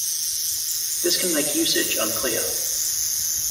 This can make usage unclear.